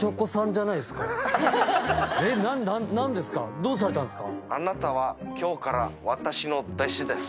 どうされたんですか？